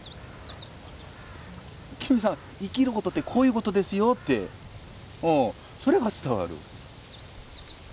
金さん生きることってこういうことですよってそれが伝わる。